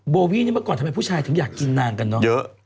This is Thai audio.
โบวี่นี่เมื่อก่อนทำไมผู้ชายถึงอยากกินนางกันเนอะเยอะ